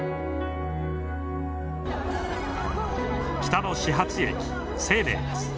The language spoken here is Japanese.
北の始発駅西寧です。